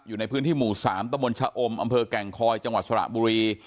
อยู่ในพื้นที่หมู่๓ตะมนต์ชะอมอำเภอแก่งคอยจังหวัดสระบุรี